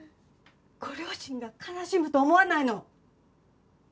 ご両親が悲しむと思わないの？